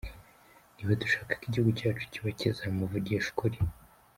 niba dushaka ko igihugu cyacu kibakiza muvugishe ukuri.